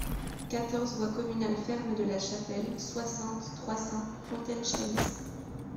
quatorze voie Communale Ferme de la Chapelle, soixante, trois cents, Fontaine-Chaalis